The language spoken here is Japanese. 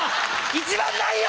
一番ないよ！